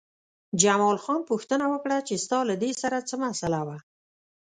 جمال خان پوښتنه وکړه چې ستا له دې سره څه مسئله وه